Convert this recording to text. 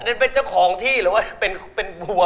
นั่นเป็นเจ้าของที่หรือว่าเป็นบัว